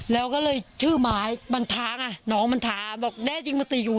แล้วก็เลยชื่อหมายมันทางอ่ะหนองมันทางบอกแน่จริงปกติอยู่